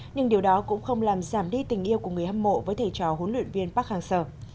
nhưng điều đó cũng không làm giảm đi tình yêu của người hâm mộ với thầy trò huấn luyện viên park hang seo